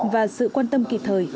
và sự quan tâm kịp thời